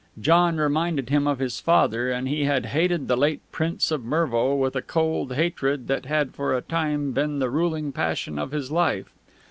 John reminded him of his father, and he had hated the late Prince of Mervo with a cold hatred that had for a time been the ruling passion of his life.